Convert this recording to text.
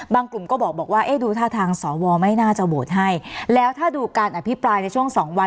กลุ่มก็บอกว่าเอ๊ะดูท่าทางสวไม่น่าจะโหวตให้แล้วถ้าดูการอภิปรายในช่วงสองวัน